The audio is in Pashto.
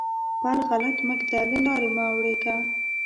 پل غلط مه ږده؛ له لارې مه اوړېږه.